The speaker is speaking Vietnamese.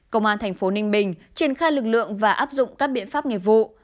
công an tp ninh bình triển khai lực lượng và áp dụng các biện pháp nghiệp vụ